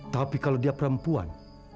tapi kalau dia perempuan